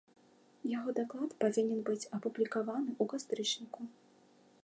Яго даклад павінен быць апублікаваны ў кастрычніку.